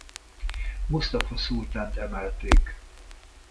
Musztafa szultánt emelték.